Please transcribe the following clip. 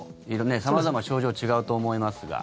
様々、症状は違うと思いますが。